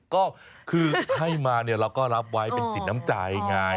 ก็คือให้มาเนี่ยเราก็รับไว้เป็นสิทธิ์น้ำใจไง